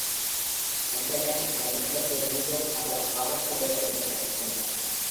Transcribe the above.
Anderton இந்த நுட்பத்தை New York நகர காவல்துறையிடமிருந்து கற்றுக்கொண்டார்.